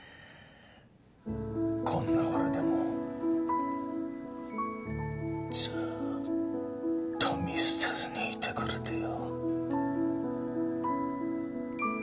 こんな俺でもずーっと見捨てずにいてくれてよ。